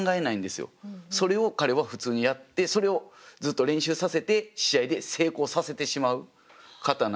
それを彼は普通にやってそれをずっと練習させて試合で成功させてしまう方なので。